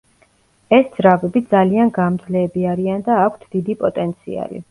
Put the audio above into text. ეს ძრავები ძალიან გამძლეები არიან და აქვთ დიდი პოტენციალი.